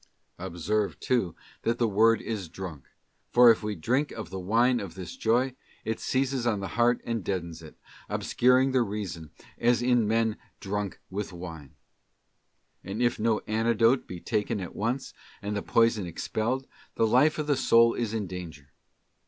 Observe, too, that the word is 'drunk,' for if we drink of the wine of this joy, it seizes on the heart and deadens it, obscuring the Reason, as in men drunk with wine. And if no antidote be taken at once, and the poison expelled, the life of the soul is in danger.